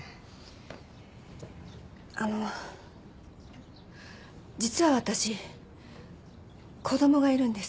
あの実は私子供がいるんです。